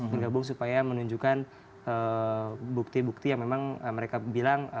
bergabung supaya menunjukkan bukti bukti yang memang mereka bilang